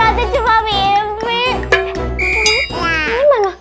biar aku sendiri yang disini